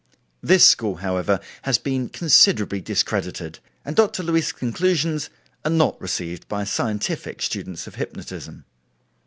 This school, however, has been considerably discredited, and Dr. Luys' conclusions are not received by scientific students of hypnotism.